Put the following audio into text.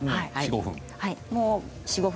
４、５分。